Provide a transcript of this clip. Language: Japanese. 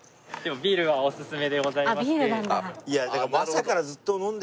ビールはおすすめでございまして。